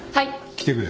来てくれ。